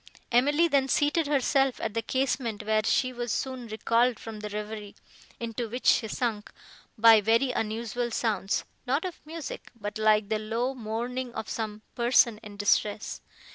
Emily then seated herself at the casement, where she was soon recalled from the reverie, into which she sunk, by very unusual sounds, not of music, but like the low mourning of some person in distress.